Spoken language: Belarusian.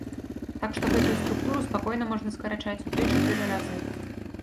Так што гэтую структуру спакойна можна скарачаць у тры-чатыры разы.